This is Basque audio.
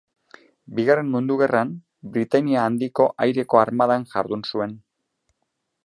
Bigarren Mundu Gerran, Britainia Handiko Aireko Armadan jardun zuen.